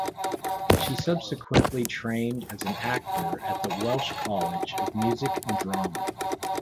She subsequently trained as an actor at the Welsh College of Music and Drama.